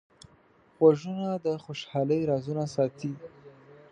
غوږونه د خوشحالۍ رازونه ساتي